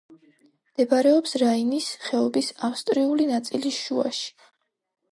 მდებარეობს რაინის ხეობის ავსტრიული ნაწილის შუაში.